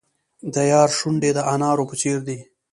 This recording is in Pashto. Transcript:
د یار شونډې د انارو په څیر دي.